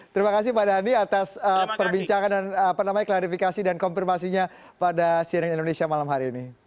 terima kasih pak dhani atas perbincangan dan klarifikasi dan konfirmasinya pada cnn indonesia malam hari ini